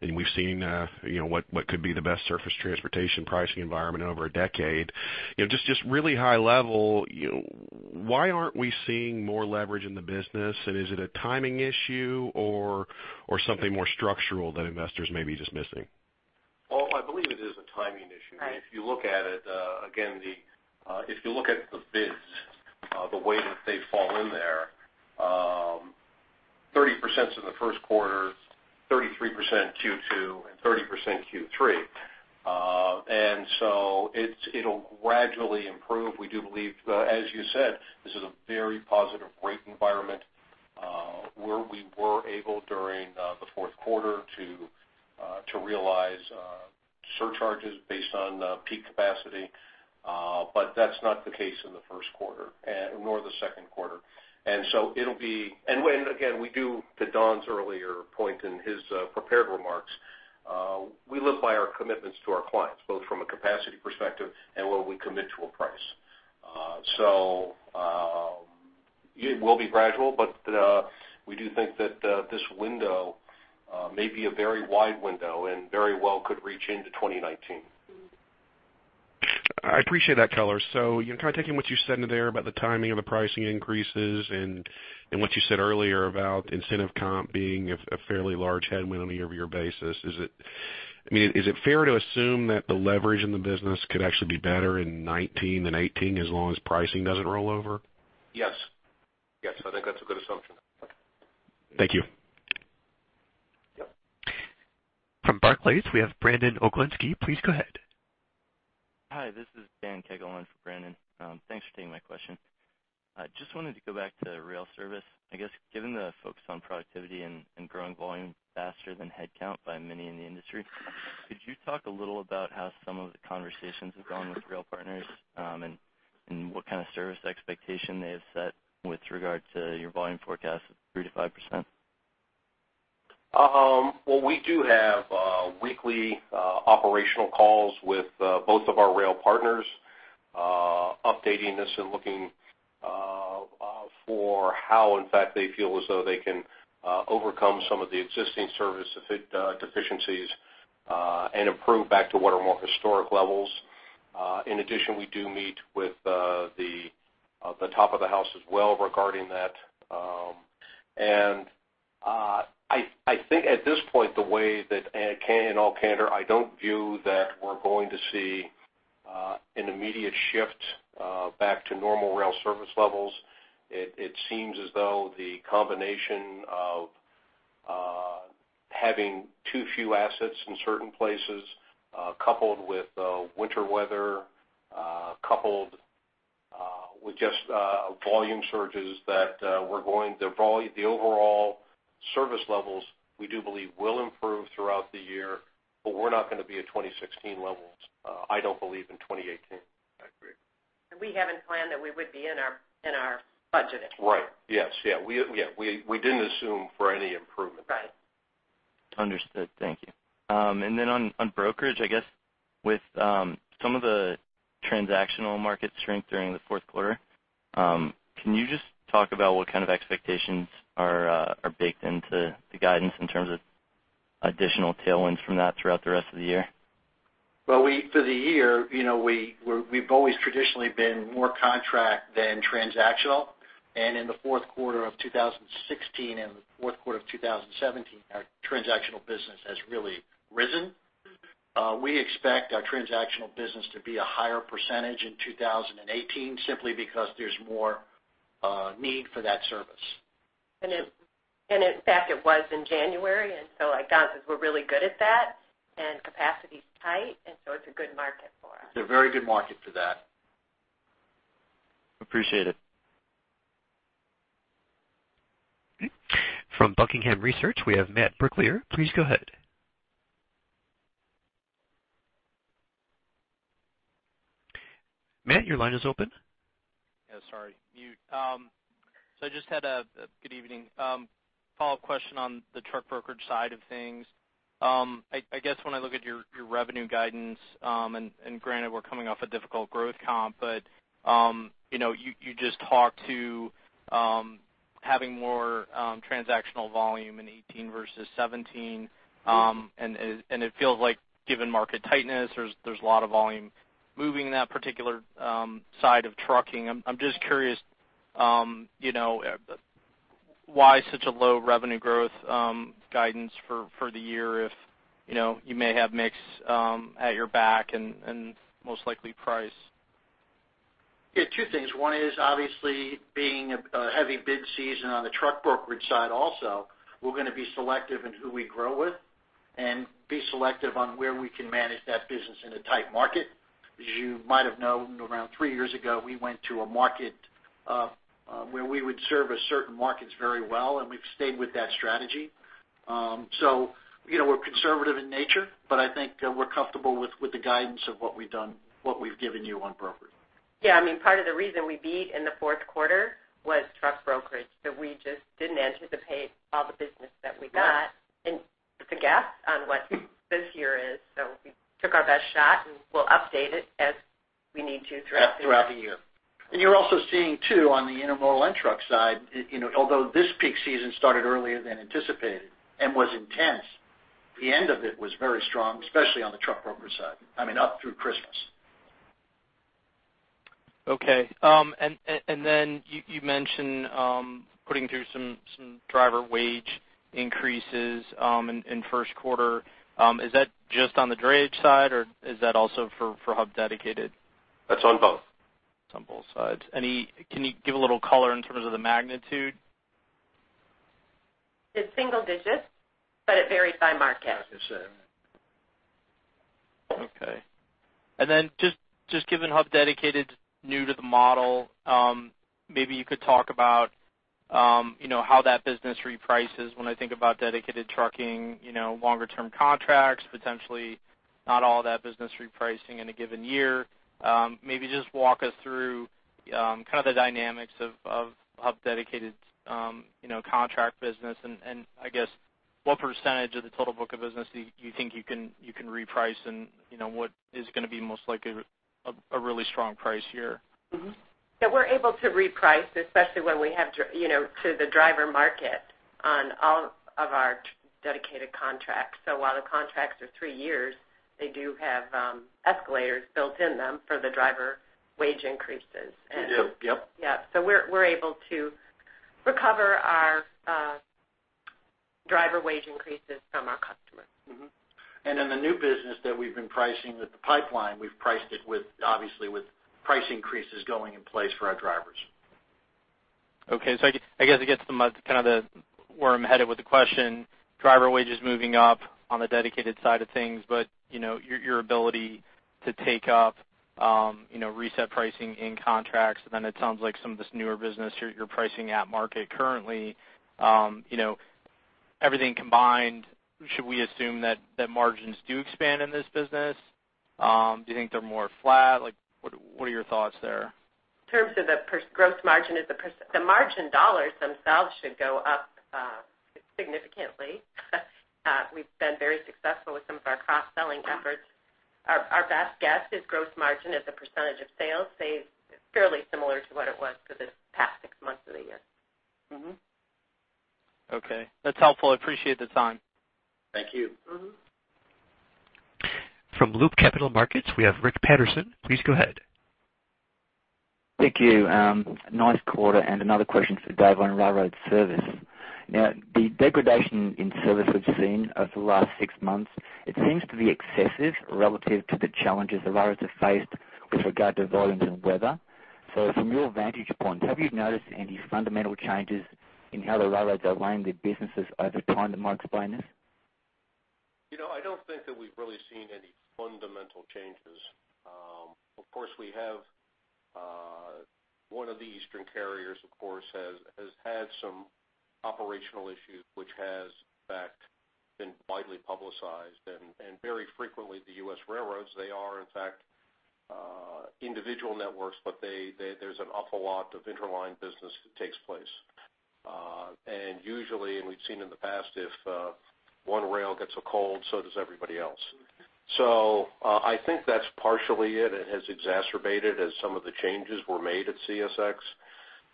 and we've seen, you know, what could be the best surface transportation pricing environment in over a decade. You know, just really high level, you know, why aren't we seeing more leverage in the business? And is it a timing issue or something more structural that investors may be just missing? Well, I believe it is a timing issue. Right. If you look at it again, if you look at the bids, the way that they fall in there, 30% is in the first quarter, 33% Q2, and 30% Q3. And so it'll gradually improve. We do believe, as you said, this is a very positive rate environment, where we were able, during the fourth quarter to realize surcharges based on peak capacity. But that's not the case in the first quarter, and nor the second quarter. And so it'll be. And, again, to Don's earlier point in his prepared remarks, we live by our commitments to our clients, both from a capacity perspective and what we commit to a price. So, it will be gradual, but we do think that this window may be a very wide window and very well could reach into 2019. I appreciate that color. So, you know, kind of taking what you said in there about the timing of the pricing increases and what you said earlier about incentive comp being a fairly large headwind on a year-over-year basis, is it, I mean, is it fair to assume that the leverage in the business could actually be better in 2019 than 2018, as long as pricing doesn't roll over? Yes. Yes, I think that's a good assumption. Thank you. Yep. From Barclays, we have Brandon Oglenski. Please go ahead. Hi, this is Van Kegel in for Brandon. Thanks for taking my question. I just wanted to go back to rail service. I guess, given the focus on productivity and growing volume faster than headcount by many in the industry, could you talk a little about how some of the conversations have gone with rail partners, and what kind of service expectation they have set with regard to your volume forecast of 3%-5%? Well, we do have weekly operational calls with both of our rail partners, updating us and looking for how, in fact, they feel as though they can overcome some of the existing service deficiencies, and improve back to what are more historic levels. In addition, we do meet with the top of the house as well regarding that. And I think at this point, the way that, and in all candor, I don't view that we're going to see an immediate shift back to normal rail service levels. It seems as though the combination of having too few assets in certain places, coupled with winter weather, coupled with just volume surges that we're going... The overall service levels, we do believe, will improve throughout the year, but we're not going to be at 2016 levels, I don't believe, in 2018.... We haven't planned that we would be in our budgeting. Right. Yes. Yeah, we didn't assume for any improvement. Right. Understood. Thank you. And then on, on brokerage, I guess with some of the transactional market strength during the fourth quarter, can you just talk about what kind of expectations are, are baked into the guidance in terms of additional tailwinds from that throughout the rest of the year? Well, for the year, you know, we, we're, we've always traditionally been more contract than transactional. And in the fourth quarter of 2016 and the fourth quarter of 2017, our transactional business has really risen. We expect our transactional business to be a higher percentage in 2018, simply because there's more need for that service. In fact, it was in January, and so our guys were really good at that, and capacity is tight, and so it's a good market for us. It's a very good market for that. Appreciate it. From Buckingham Research, we have Matt Brooklier. Please go ahead. Matt, your line is open. Yeah, sorry, mute. So I just had a good evening. Follow-up question on the truck brokerage side of things. I guess when I look at your revenue guidance, and granted, we're coming off a difficult growth comp, but you know, you just talked about having more transactional volume in 2018 versus 2017, and it feels like given market tightness, there's a lot of volume moving in that particular side of trucking. I'm just curious, you know, why such a low revenue growth guidance for the year if, you know, you may have mix at your back and most likely price? Yeah, two things. One is obviously being a heavy bid season on the truck brokerage side also. We're going to be selective in who we grow with and be selective on where we can manage that business in a tight market. As you might have known, around three years ago, we went to a market where we would service certain markets very well, and we've stayed with that strategy. So you know, we're conservative in nature, but I think we're comfortable with the guidance of what we've done, what we've given you on brokerage. Yeah, I mean, part of the reason we beat in the fourth quarter was truck brokerage, that we just didn't anticipate all the business that we got, and it's a guess on what this year is. So we took our best shot, and we'll update it as we need to throughout the year. Throughout the year. You're also seeing, too, on the intermodal and truck side, you know, although this peak season started earlier than anticipated and was intense, the end of it was very strong, especially on the truck brokerage side. I mean, up through Christmas. Okay, and then you mentioned putting through some driver wage increases in first quarter. Is that just on the drayage side, or is that also for Hub Dedicated? That's on both. It's on both sides. Can you give a little color in terms of the magnitude? It's single digits, but it varies by market. Okay. And then just given Hub Dedicated new to the model, maybe you could talk about, you know, how that business reprices. When I think about dedicated trucking, you know, longer term contracts, potentially not all that business repricing in a given year. Maybe just walk us through, kind of the dynamics of Hub Dedicated, you know, contract business. And I guess, what percentage of the total book of business do you think you can reprice and, you know, what is going to be most likely a really strong price year? Mm-hmm. Yeah, we're able to reprice, especially when we have you know, to the driver market on all of our dedicated contracts. So while the contracts are three years, they do have escalators built in them for the driver wage increases. We do, yep. Yeah. So we're able to recover our driver wage increases from our customers. Mm-hmm. In the new business that we've been pricing with the pipeline, we've priced it with, obviously, with price increases going in place for our drivers. Okay. So I guess, I guess it gets to kind of the where I'm headed with the question, driver wages moving up on the dedicated side of things, but, you know, your, your ability to take up, you know, reset pricing in contracts, then it sounds like some of this newer business you're, you're pricing at market currently. You know, everything combined, should we assume that, that margins do expand in this business? Do you think they're more flat? Like, what are, what are your thoughts there? In terms of the Gross Margin as a percent, the margin dollars themselves should go up significantly. We've been very successful with some of our cross-selling efforts. Our best guess is Gross Margin as a percentage of sales stays fairly similar to what it was for the past six months of the year. Mm-hmm. Okay. That's helpful. I appreciate the time. Thank you. Mm-hmm. From Loop Capital Markets, we have Rick Paterson. Please go ahead. Thank you. Nice quarter, and another question for Dave on railroad service. Now, the degradation in service we've seen over the last six months, it seems to be excessive relative to the challenges the railroads have faced with regard to volumes and weather. So from your vantage point, have you noticed any fundamental changes in how the railroads are running their businesses over time that might explain this? You know, I don't think that we've really seen any fundamental changes. Of course, we have-... one of the Eastern carriers, of course, has had some operational issues, which has, in fact, been widely publicized. And very frequently, the US railroads, they are, in fact, individual networks, but there's an awful lot of interline business that takes place. And usually, we've seen in the past, if one rail gets a cold, so does everybody else. So, I think that's partially it, and it has exacerbated as some of the changes were made at CSX.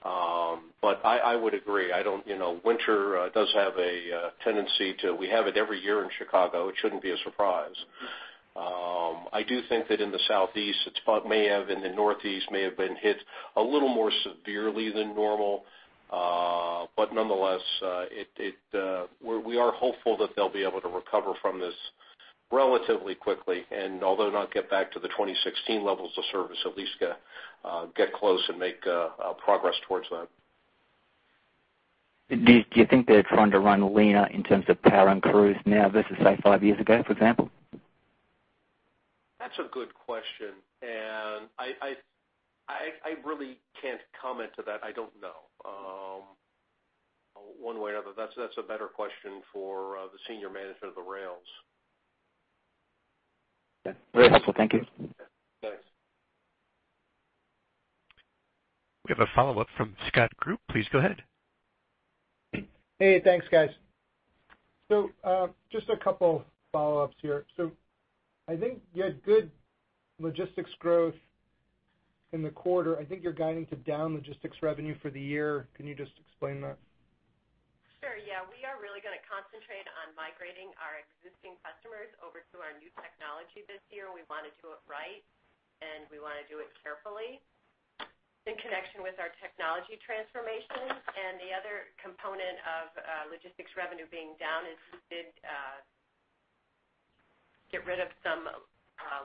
But I would agree, I don't, you know, winter does have a tendency. We have it every year in Chicago. It shouldn't be a surprise. I do think that in the Southeast, it's about may have, in the Northeast, may have been hit a little more severely than normal. But nonetheless, we are hopeful that they'll be able to recover from this relatively quickly, and although not get back to the 2016 levels of service, at least get close and make progress towards that. Do you think they're trying to run leaner in terms of power and crews now versus, say, five years ago, for example? That's a good question, and I really can't comment to that. I don't know one way or another. That's a better question for the senior management of the rails. Yeah. Very helpful. Thank you. Thanks. We have a follow-up from Scott Group. Please go ahead. Hey, thanks, guys. So, just a couple follow-ups here. So I think you had good logistics growth in the quarter. I think you're guiding to down logistics revenue for the year. Can you just explain that? Sure, yeah. We are really gonna concentrate on migrating our existing customers over to our new technology this year. We want to do it right, and we want to do it carefully in connection with our technology transformation. And the other component of logistics revenue being down is we did get rid of some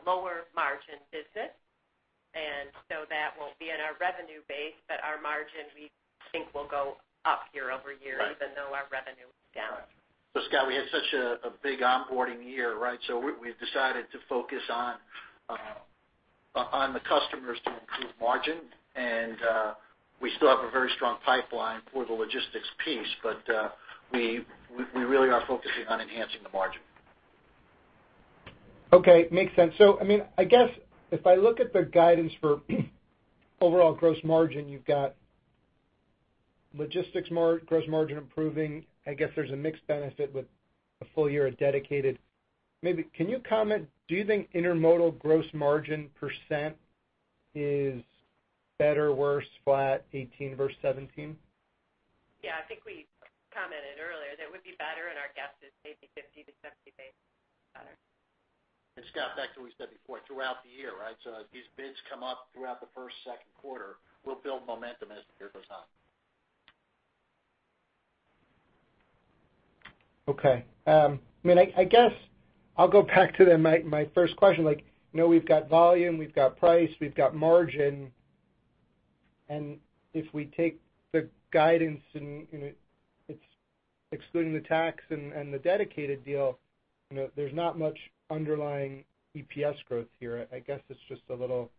lower margin business. And so that won't be in our revenue base, but our margin, we think, will go up year-over-year- Right. even though our revenue is down. So Scott, we had such a big onboarding year, right? So we've decided to focus on the customers to improve margin, and we still have a very strong pipeline for the logistics piece, but we really are focusing on enhancing the margin. Okay. Makes sense. So, I mean, I guess if I look at the guidance for overall gross margin, you've got logistics gross margin improving. I guess there's a mixed benefit with a full year of dedicated. Maybe can you comment, do you think intermodal gross margin percent is better, worse, flat, 2018 versus 2017? Yeah, I think we commented earlier that it would be better, and our guess is maybe 50-60 basis points better. And Scott, back to what we said before, throughout the year, right? So as these bids come up throughout the first, second quarter, we'll build momentum as the year goes on. Okay, I mean, I guess I'll go back to then my first question, like, you know, we've got volume, we've got price, we've got margin, and if we take the guidance and, you know, it's excluding the tax and the dedicated deal, you know, there's not much underlying EPS growth here. I guess it's just a little...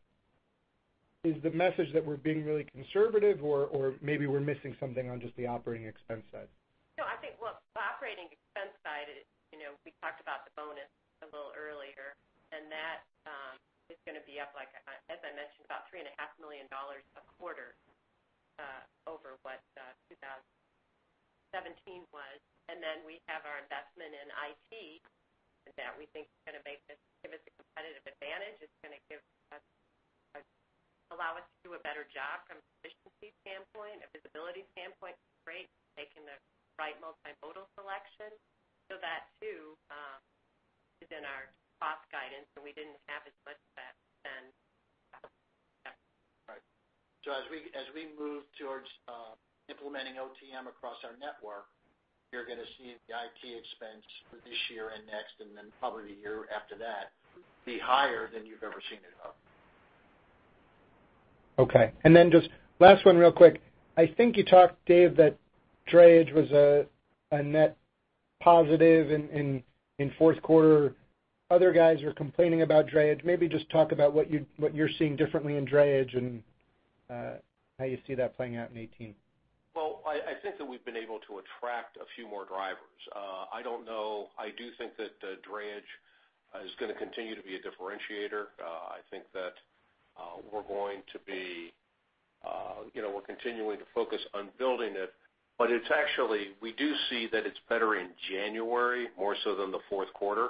Is the message that we're being really conservative, or maybe we're missing something on just the operating expense side? No, I think, well, the operating expense side, you know, we talked about the bonus a little earlier, and that is gonna be up, like, as I mentioned, about $3.5 million a quarter over what 2017 was. And then we have our investment in IT that we think is gonna make this, give us a competitive advantage. It's gonna give us a- allow us to do a better job from an efficiency standpoint, a visibility standpoint, right, making the right multimodal selection. So that, too, is in our cost guidance, and we didn't have as much of that then. Right. So as we, as we move towards implementing OTM across our network, you're gonna see the IT expense for this year and next, and then probably the year after that, be higher than you've ever seen it up. Okay. And then just last one real quick. I think you talked, Dave, that drayage was a net positive in fourth quarter. Other guys are complaining about drayage. Maybe just talk about what you're seeing differently in drayage and how you see that playing out in 2018. Well, I think that we've been able to attract a few more drivers. I don't know... I do think that drayage is gonna continue to be a differentiator. I think that we're going to be, you know, we're continuing to focus on building it. But it's actually, we do see that it's better in January, more so than the fourth quarter.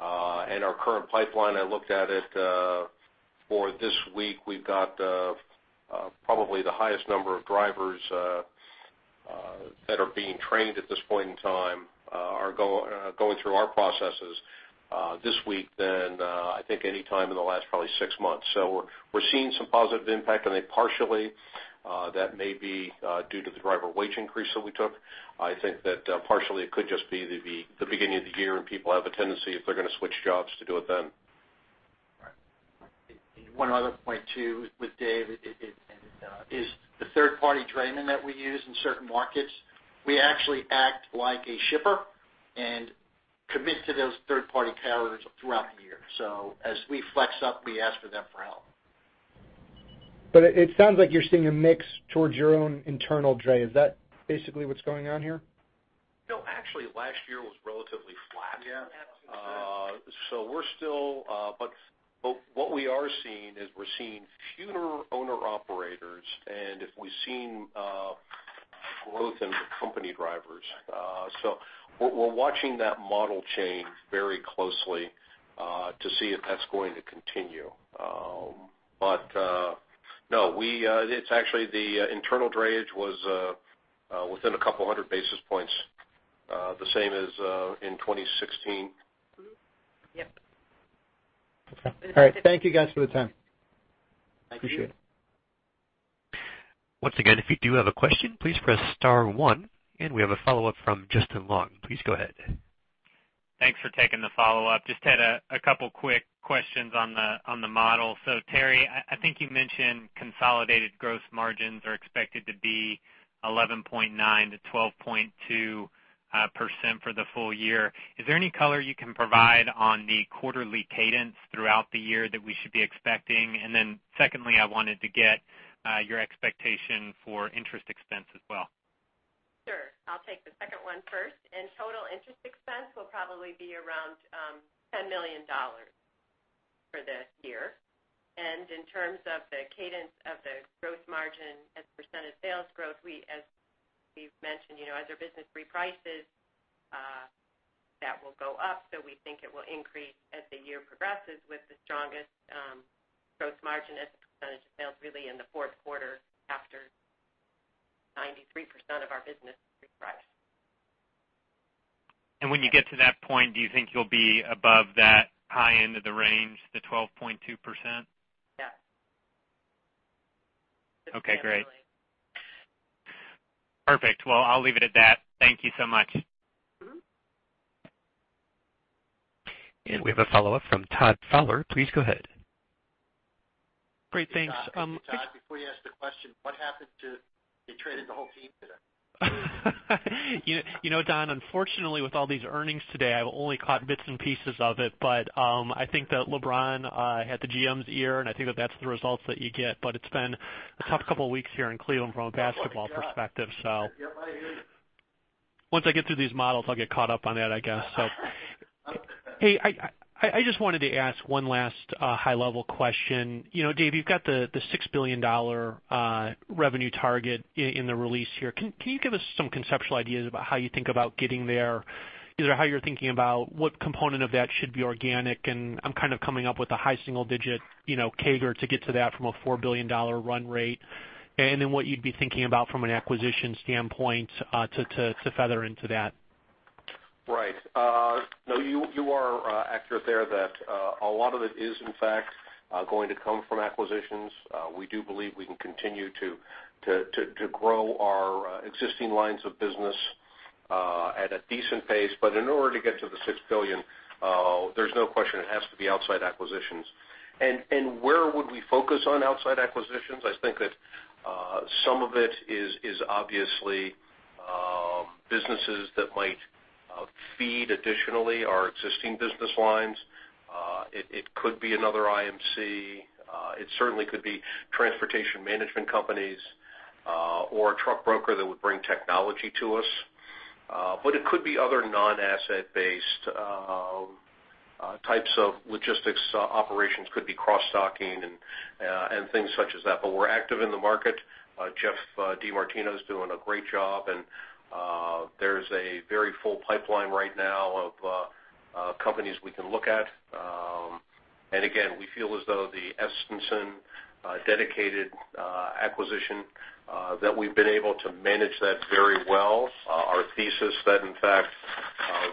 And our current pipeline, I looked at it for this week, we've got probably the highest number of drivers that are being trained at this point in time, are going through our processes this week than I think any time in the last probably six months. So we're seeing some positive impact, and they partially that may be due to the driver wage increase that we took. I think that, partially it could just be the beginning of the year, and people have a tendency, if they're gonna switch jobs, to do it then. Right. One other point, too, with Dave is the third-party draymen that we use in certain markets, we actually act like a shipper, and-... commit to those third-party carriers throughout the year. So as we flex up, we ask for them for help. But it sounds like you're seeing a mix towards your own internal dray. Is that basically what's going on here? No, actually, last year was relatively flat. Yeah. So we're still, but what we are seeing is we're seeing fewer owner-operators, and we've seen growth in the company drivers. So we're watching that model change very closely to see if that's going to continue. But no, it's actually the internal drayage was within a couple hundred basis points the same as in 2016. Mm-hmm. Yep. Okay. All right. Thank you guys for the time. Thank you. Appreciate it. Once again, if you do have a question, please press star one. We have a follow-up from Justin Long. Please go ahead. Thanks for taking the follow-up. Just had a couple quick questions on the model. So Terry, I think you mentioned consolidated gross margins are expected to be 11.9%-12.2% for the full year. Is there any color you can provide on the quarterly cadence throughout the year that we should be expecting? And then secondly, I wanted to get your expectation for interest expense as well. Sure. I'll take the second one first, and total interest expense will probably be around $10 million for this year. In terms of the cadence of the gross margin as a percent of sales growth, we, as we've mentioned, you know, as our business reprices, that will go up. We think it will increase as the year progresses with the strongest gross margin as a percentage of sales really in the fourth quarter, after 93% of our business reprice. When you get to that point, do you think you'll be above that high end of the range, the 12.2%? Yes. Okay, great. Definitely. Perfect. Well, I'll leave it at that. Thank you so much. Mm-hmm. We have a follow-up from Todd Fowler. Please go ahead. Great, thanks. Hey, Todd, before you ask the question, what happened to -- they traded the whole team today? You know, Don, unfortunately, with all these earnings today, I've only caught bits and pieces of it. But I think that LeBron had the GM's ear, and I think that that's the results that you get. But it's been a tough couple of weeks here in Cleveland from a basketball perspective, so. Yep, I hear you. Once I get through these models, I'll get caught up on that, I guess, so. Hey, I just wanted to ask one last high-level question. You know, Dave, you've got the $6 billion revenue target in the release here. Can you give us some conceptual ideas about how you think about getting there? Is there how you're thinking about what component of that should be organic? And I'm kind of coming up with a high single digit, you know, CAGR to get to that from a $4 billion run rate. And then what you'd be thinking about from an acquisition standpoint to feather into that. Right. No, you are accurate there that a lot of it is, in fact, going to come from acquisitions. We do believe we can continue to grow our existing lines of business at a decent pace. But in order to get to the $6 billion, there's no question it has to be outside acquisitions. And where would we focus on outside acquisitions? I think that some of it is obviously businesses that might feed additionally our existing business lines. It could be another IMC. It certainly could be transportation management companies or a truck broker that would bring technology to us. But it could be other non-asset-based types of logistics operations. Could be cross-docking and things such as that. But we're active in the market. Geoff DeMartino is doing a great job, and there's a very full pipeline right now of companies we can look at. And again, we feel as though the Estenson dedicated acquisition that we've been able to manage that very well. Our thesis that, in fact,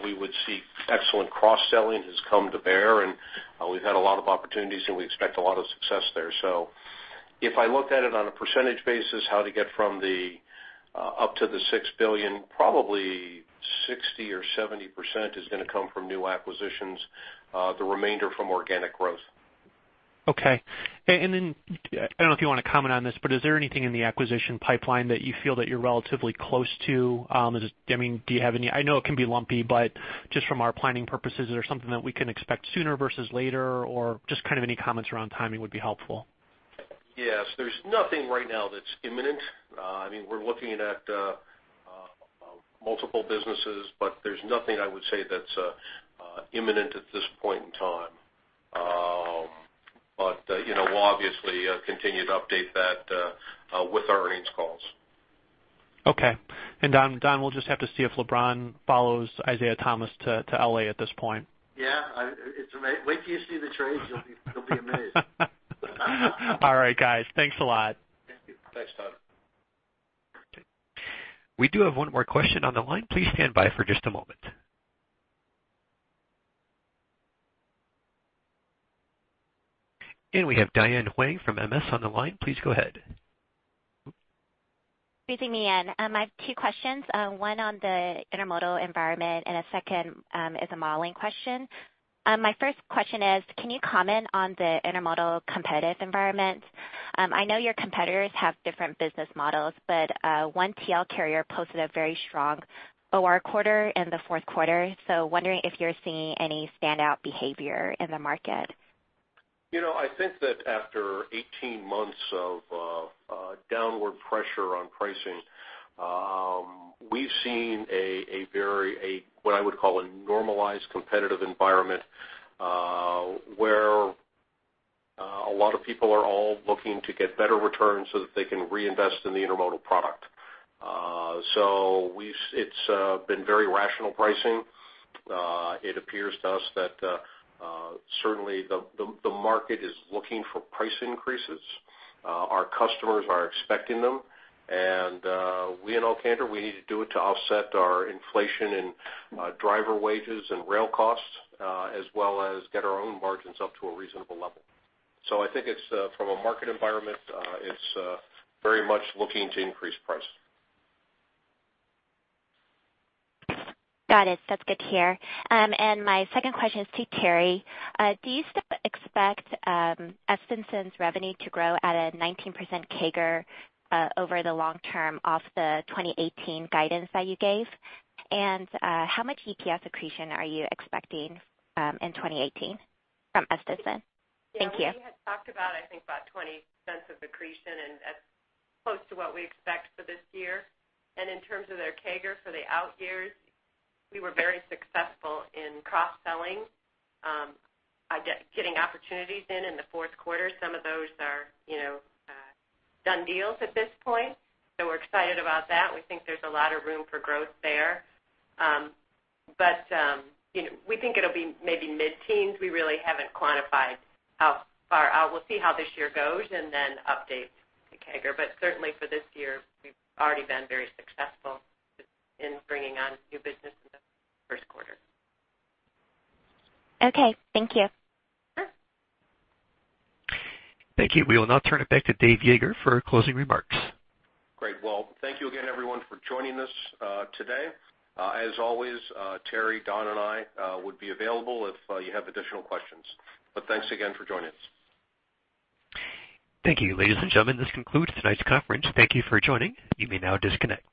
we would see excellent cross-selling, has come to bear, and we've had a lot of opportunities, and we expect a lot of success there. So if I looked at it on a percentage basis, how to get from the up to the $6 billion, probably 60% or 70% is going to come from new acquisitions, the remainder from organic growth. Okay. And then, I don't know if you want to comment on this, but is there anything in the acquisition pipeline that you feel that you're relatively close to? Is it, I mean, do you have any... I know it can be lumpy, but just from our planning purposes, is there something that we can expect sooner versus later, or just kind of any comments around timing would be helpful. Yes. There's nothing right now that's imminent. I mean, we're looking at multiple businesses, but there's nothing I would say that's imminent at this point in time. But you know, we'll obviously continue to update that with our earnings calls. Okay. Don, Don, we'll just have to see if LeBron follows Isaiah Thomas to, to L.A. at this point. Yeah, wait till you see the trades, you'll be, you'll be amazed. All right, guys. Thanks a lot. Thank you. Thanks, Todd. We do have one more question on the line. Please stand by for just a moment. And we have Diane Huang from MS on the line. Please go ahead. Good evening, Ian. I have two questions, one on the intermodal environment and a second is a modeling question. My first question is, can you comment on the intermodal competitive environment?... I know your competitors have different business models, but, one TL carrier posted a very strong OR quarter in the fourth quarter. So wondering if you're seeing any standout behavior in the market? You know, I think that after 18 months of downward pressure on pricing, we've seen a very what I would call a normalized competitive environment, where a lot of people are all looking to get better returns so that they can reinvest in the intermodal product. So it's been very rational pricing. It appears to us that certainly the market is looking for price increases. Our customers are expecting them, and we in Canada we need to do it to offset our inflation in driver wages and rail costs, as well as get our own margins up to a reasonable level. So I think it's from a market environment, it's very much looking to increase price. Got it. That's good to hear. And my second question is to Terry. Do you still expect Estenson's revenue to grow at a 19% CAGR over the long term off the 2018 guidance that you gave? And, how much EPS accretion are you expecting in 2018 from Estenson? Thank you. Yeah, we had talked about, I think, about $0.20 of accretion, and that's close to what we expect for this year. And in terms of their CAGR for the out years, we were very successful in cross-selling, getting opportunities in the fourth quarter. Some of those are, you know, done deals at this point, so we're excited about that. We think there's a lot of room for growth there. But, you know, we think it'll be maybe mid-teens. We really haven't quantified how far out. We'll see how this year goes and then update the CAGR. But certainly for this year, we've already been very successful in bringing on new business in the first quarter. Okay, thank you. Sure. Thank you. We will now turn it back to Dave Yeager for closing remarks. Great. Well, thank you again, everyone, for joining us, today. As always, Terry, Don, and I would be available if you have additional questions. But thanks again for joining us. Thank you, ladies and gentlemen. This concludes tonight's conference. Thank you for joining. You may now disconnect.